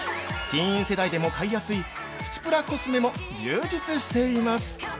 ティーン世代でも買いやすいプチプラコスメも充実しています。